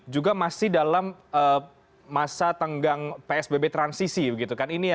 juga masih dalam masa tenggang psbb transisi begitu kan